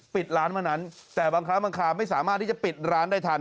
ปิดร้านมานั้นแต่บางครั้งบางคราวไม่สามารถที่จะปิดร้านได้ทัน